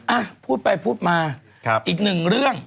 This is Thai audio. อ่ะพูดไปพูดมาอีกหนึ่งเรื่อง